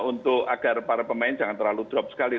untuk agar para pemain jangan terlalu drop sekali